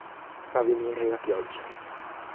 Fa venire la pioggia!